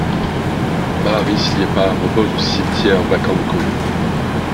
Māris Liepa repose au cimetière Vagankovo.